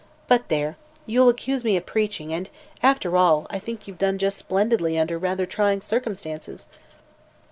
But there! you'll accuse me of preaching and, after all, I think you've done just splendidly under rather trying circumstances."